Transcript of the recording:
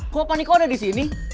kok paniko ada di sini